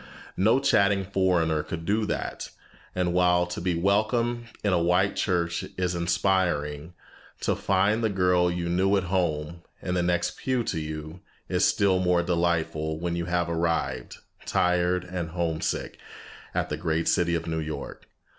No chattering foreigner could do that. And while to be welcome in a white church is inspiring, to find the girl you knew at home, in the next pew to you, is still more delightful when you have arrived, tired and homesick, at the great city of New York.